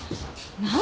何？